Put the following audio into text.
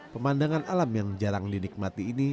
pemandangan alam yang jarang dinikmati ini